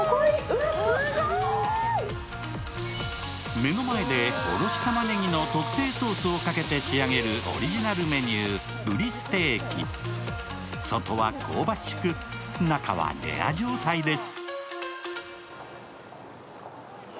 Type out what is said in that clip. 目の前でおろしたまねぎの特製ソースをかけて仕上げるオリジナルメニュー、ブリステーキ外は香ばしく、中はレア状態です。